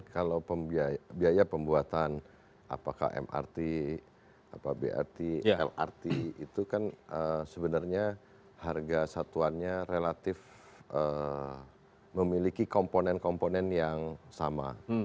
kalau biaya pembuatan apakah mrt brt lrt itu kan sebenarnya harga satuannya relatif memiliki komponen komponen yang sama